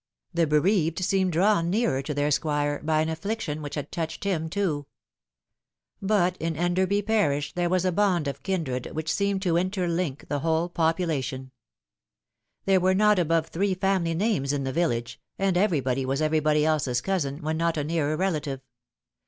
The bereaved seemed drawn nearer to their Squire by an affliction which had touched him too. But in Enderby parish there was a bond of kindred which 84 The Fatal Three. seemed to interlink the whole population. There weie not above three family names in the village, and everybody waa everybody else's cousin, when not a nearer relative.